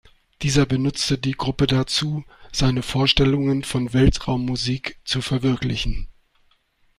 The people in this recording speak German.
Dieser benutzte die Gruppe dazu, seine Vorstellungen von „Weltraum-Musik“ zu verwirklichen.